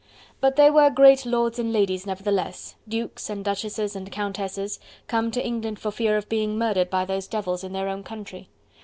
But they were great lords and ladies, nevertheless, Dukes and Duchesses and Countesses, come to England for fear of being murdered by those devils in their own country.